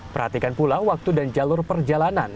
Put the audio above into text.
perhatikan pula waktu dan jalur perjalanan